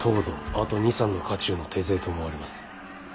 あと２３の家中の手勢と思われます。